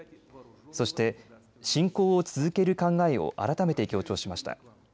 そして侵攻を続ける考えを改めて強調しました。